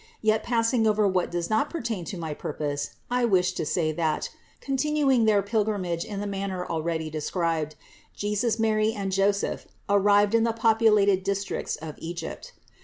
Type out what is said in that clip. Yet, passing over what does not pertain to my purpose, I wish to say that, continuing their pilgrimage in the manner already described, Jesus, Mary and Joseph arrived in the populated districts of Egypt.